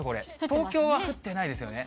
東京は降ってないですよね。